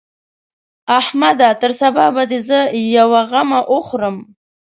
احمده! تر سبا به دې زه يوه غمه وخورم.